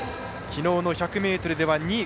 きのうの１００ｍでは２位。